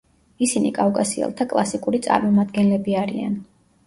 ისინი კავკასიელთა კლასიკური წარმომადგენლები არიან.